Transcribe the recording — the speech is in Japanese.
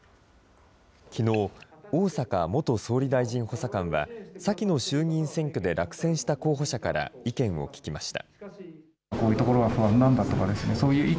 きのう、逢坂元総理大臣補佐官は先の衆議院選挙で落選した候補者から意見を聞きました。